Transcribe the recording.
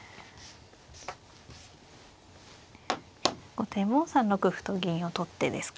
後手も３六歩と銀を取ってですか。